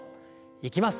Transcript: いきます。